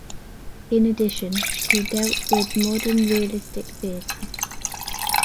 In addition, he dealt with modern realistic theater.